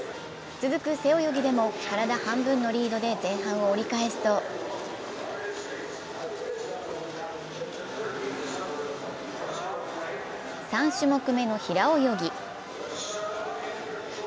続く背泳ぎでも体半分のリードで前半を折り返すと３種目目の平泳ぎ。